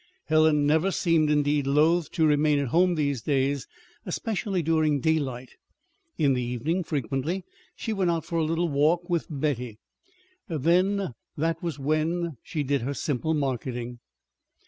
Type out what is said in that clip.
Helen never seemed, indeed, loath to remain at home these days especially during daylight. In the evening, frequently, she went out for a little walk with Betty. Then was when she did her simple marketing.